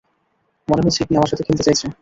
মনে হয় সিডনি আমার সাথে খেলতে চাইছে।